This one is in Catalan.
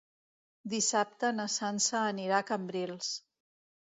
Dissabte na Sança anirà a Cambrils.